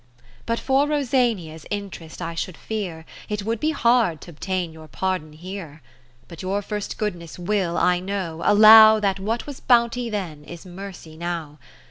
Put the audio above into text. But for Rosania's Interest I should fear It would be hard t' obtain your pardon here. 3° But your first goodness will, I know, allow That what was bounty then, is mercy now.